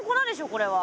これは。